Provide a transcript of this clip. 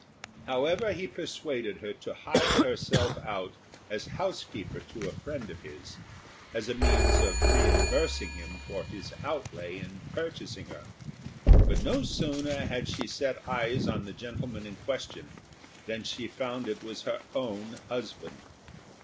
However, he persuaded her to hire herself out as housekeeper to a friend of his, as a means of reimbursing himself for his outlay in purchasing her; but no sooner had she set eyes on the gentleman in question than she found it was her own husband.